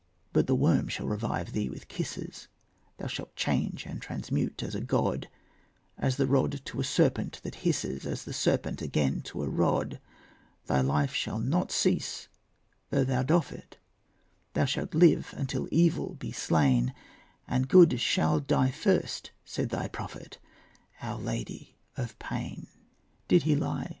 But the worm shall revive thee with kisses; Thou shalt change and transmute as a god, As the rod to a serpent that hisses, As the serpent again to a rod. Thy life shall not cease though thou doff it; Thou shalt live until evil be slain, And good shall die first, said thy prophet, Our Lady of Pain. Did he lie?